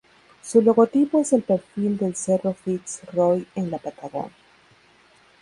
Su logotipo es el perfil del Cerro Fitz Roy en la Patagonia.